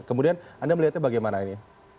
kemudian anda melihatnya bagaimana ini